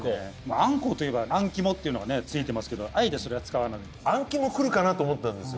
あんこうといえばあん肝っていうのがついてますけどあえてそれは使わないあん肝くるかなと思ったんですよ